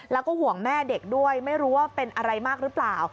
แล้วก็ห่วงแม่เด็กด้วยไม่รู้ว่าเป็นอะไรมากหรือเปล่า